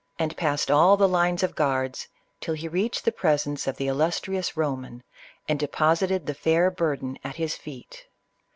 and past all the lines of guards, till he reached the presence of the illustrious Eoman, and deposited the fair burden at his feet.